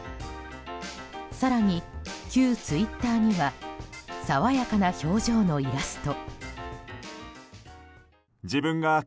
更に、旧ツイッターには爽やかな表情のイラスト。